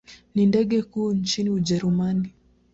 Ni ndege kuu nchini Ujerumani.